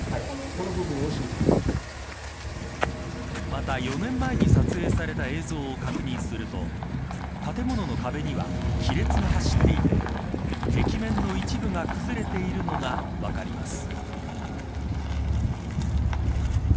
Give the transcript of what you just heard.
また、４年前に撮影された映像を確認すると建物の壁には亀裂が走っていて壁面の一部が崩れているのが分かります。